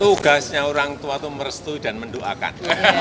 tugasnya orang tua itu merestui dan mendoakan